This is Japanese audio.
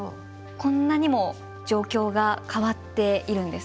こんなにも状況が変わっているんです。